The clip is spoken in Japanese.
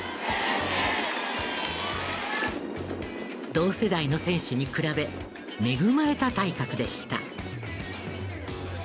同世代の選手に比べ恵まれた体格でした。